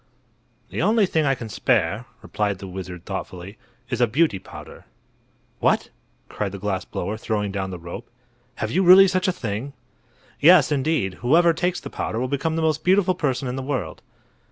"The only thing I can spare," replied the wizard, thoughtfully, "is a Beauty Powder." "What!" cried the glass blower, throwing down the rope, "have you really such a thing?" "Yes, indeed. Whoever takes the powder will become the most beautiful person in the world."